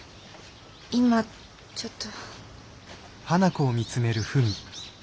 今ちょっと。